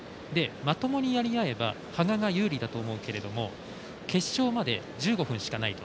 まともにやり合えば羽賀が有利だと思うが決勝まで１５分しかないと。